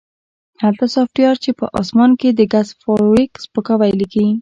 هغه سافټویر چې په اسمان کې د ګس فارویک سپکاوی لیکي